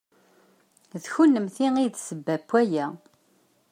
D kennemti i d ssebba n waya.